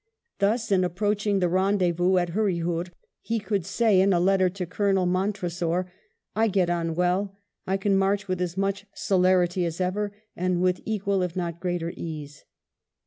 , Thus in approach ing the rendezvous at Hurryhur, he could say in a letter to Colonel Montresor, "I get on well. I can march with as much celerity as ever, and with equal if not greater ease."